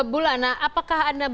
bula apakah anda